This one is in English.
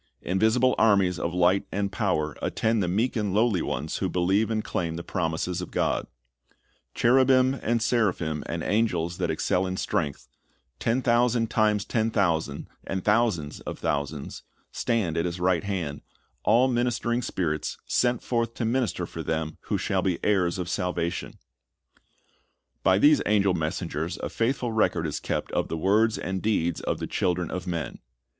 Invisible armies of light and power attend the meek and lowly ones who believe and claim the promises of God. Cherubim and seraphim and angels that excel in strength, — ten thousand times ten thousand and thousands of thousands, — stand at His right hand, "all ministering spirits, sent forth to minister for them who shall be heirs of salvation."' 1 Heb. :: 14 ''Shall Not God Avenge His Ozunf' 177 By these angel messengers a faithful record is kept of the words and deeds of the children of men.